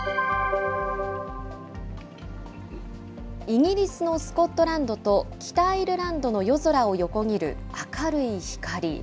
イギリスのスコットランドと北アイルランドの夜空を横切る明るい光。